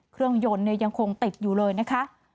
เครื่องยนต์ยังคงติดอยู่เลยนะคะ